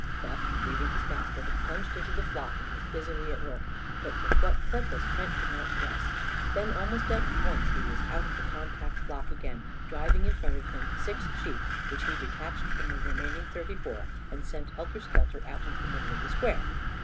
Buff, leaving his master, had plunged into the flock and was busily at work, but for what purpose Trent could not guess. Then, almost at once, he was out of the compact flock again, driving in front of him six sheep, which he detached from the remaining thirty four, and sent helter skelter out into the middle of the square.